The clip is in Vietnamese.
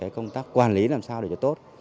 công tác quản lý làm sao để cho tốt